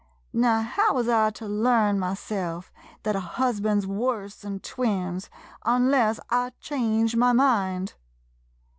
Now how wuz I to learn myself thet a husband 's worse 'n twins, unless I change my mind?